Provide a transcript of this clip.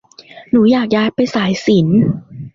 หนูอยากย้ายไปสายศิลป์